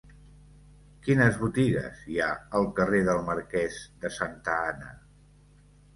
Quines botigues hi ha al carrer del Marquès de Santa Ana?